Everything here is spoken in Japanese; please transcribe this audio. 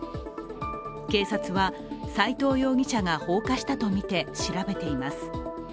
警察は斉藤容疑者が放火したとみて調べています。